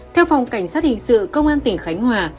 theo phòng cảnh sát hình sự công an tỉnh khánh hòa